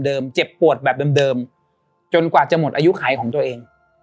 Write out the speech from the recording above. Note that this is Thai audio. เดิมเดิมเจ็บปวดแบบเดิมเดิมจนกว่าจะหมดอายุไขของตัวเอง